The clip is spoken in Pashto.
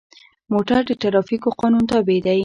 موټر د ټرافیکو قانون تابع دی.